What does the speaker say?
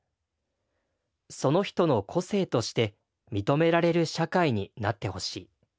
「その人の個性として認められる社会になってほしい。